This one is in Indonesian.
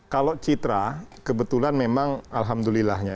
kalau citra kebetulan memang alhamdulillahnya